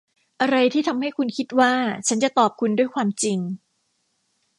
อะไรที่ทำให้คุณคิดว่าฉันจะตอบคุณด้วยความจริง ?